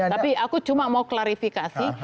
tapi aku cuma mau klarifikasi